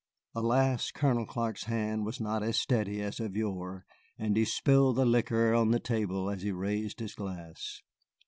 Alas, Colonel Clark's hand was not as steady as of yore, and he spilled the liquor on the table as he raised his glass.